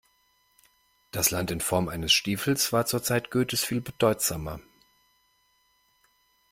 Das Land in Form eines Stiefels war zu Zeiten Goethes viel bedeutsamer.